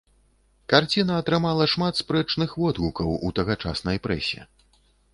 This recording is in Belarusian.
Карціна атрымала шмат спрэчных водгукаў у тагачаснай прэсе.